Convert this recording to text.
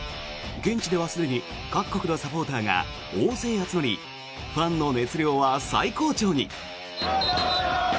現地ではすでに各国のサポーターが大勢集まりファンの熱量は最高潮に。